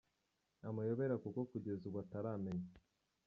Amayobera Kuko kugeza ubu ataramenya.